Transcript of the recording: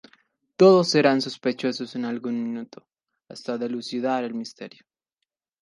Todos serán sospechosos en algún minuto, hasta dilucidar el misterio.